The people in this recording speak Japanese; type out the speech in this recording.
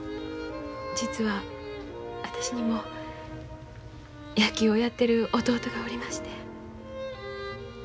実は私にも野球をやってる弟がおりまして。